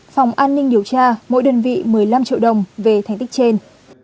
phòng an ninh điều tra mỗi đơn vị một mươi năm triệu đồng về thành tích trên